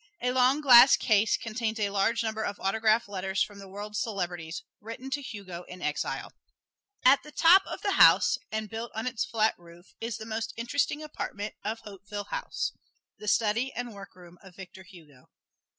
A long glass case contains a large number of autograph letters from the world's celebrities, written to Hugo in exile. At the top of the house and built on its flat roof is the most interesting apartment of Hauteville House the study and workroom of Victor Hugo.